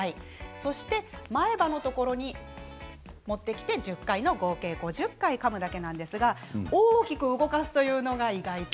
そして前歯のところに持ってきて１０回の合計５０回かむだけなんですが大きく動かすというのが意外と。